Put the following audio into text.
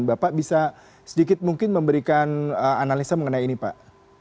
bapak bisa sedikit mungkin memberikan analisa mengenai ini pak